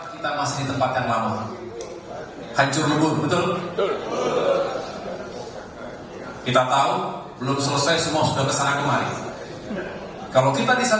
pertama kali mengatakan bahwa partai demokrat